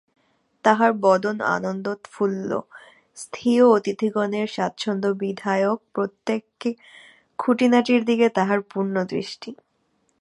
তাঁহার বদন আনন্দোৎফুল্ল, স্বীয় অতিথিগণের স্বাচ্ছন্দ্যবিধায়ক প্রত্যেক খুঁটিনাটির দিকে তাঁহার পূর্ণ দৃষ্টি।